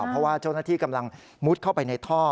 เพราะว่าเจ้าหน้าที่กำลังมุดเข้าไปในท่อ